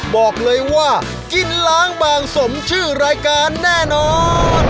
บอกเลยว่ากินล้างบางสมชื่อรายการแน่นอน